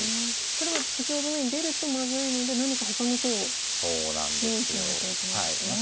これは先ほどのように出るとまずいので何かほかの手を用意しないといけないですよね。